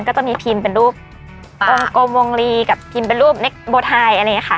ก็ต้องมีพิมพ์เป็นรูปกวงรีกับพิมพ์เป็นรูปเบอร์ไทยอันนี้ค่ะ